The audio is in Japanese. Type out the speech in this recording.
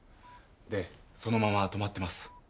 でそのまま止まってます。